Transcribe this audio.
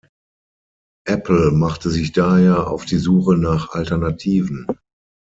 Apple machte sich daher auf die Suche nach Alternativen.